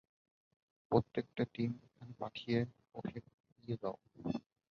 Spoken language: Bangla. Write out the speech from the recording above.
প্রত্যেকটা টিমকে ওখানে পাঠিয়ে ওকে উড়িয়ে দাও।